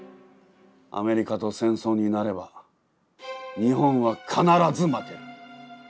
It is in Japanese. アメリカと戦争になれば日本は必ず負ける。